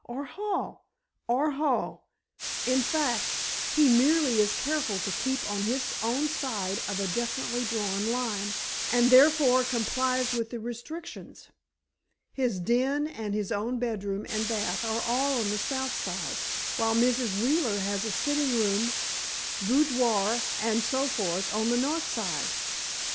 "Or hall." "Or hall. In fact, he merely is careful to keep on his own side of a definitely drawn line, and therefore complies with the restrictions. His den and his own bedroom and bath are all on the south side, while Mrs. Wheeler has a sitting room, boudoir, and so forth, on the north side.